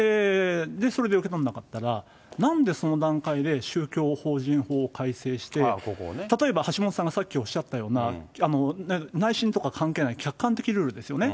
それで受け取らなかったら、なんでその段階で宗教法人法を改正して、例えば橋下さんがさっきおっしゃったような、内心とか関係ない、客観的ルールですよね。